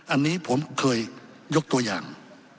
อันนี้ผมเคยยกตัวอย่าง